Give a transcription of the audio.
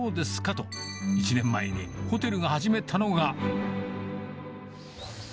と、１年前にホテルが始めたのが。